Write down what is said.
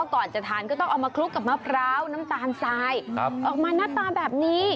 ก็ต้องเอามาคลุกกับมะพร้าวน้ำตาลสายออกมาหน้าตาแบบนี้